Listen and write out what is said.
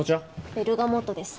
ベルガモットです